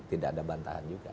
tidak ada bantahan juga